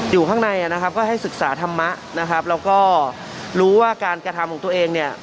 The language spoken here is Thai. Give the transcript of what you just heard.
อยู่ข้างในก็ให้ศึกษาธรรมะและถ้ารู้ว่าการกระทำของตัวเอง